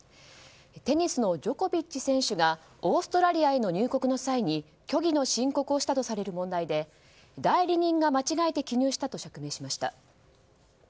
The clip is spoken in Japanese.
テニスのジョコビッチ選手がオーストラリアへの入国の際に虚偽の申告をしたとされる問題で代理人が間違えて記入したと釈明しました。